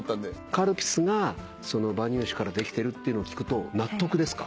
カルピスが馬乳酒からできてるっていうのを聞くと納得ですか？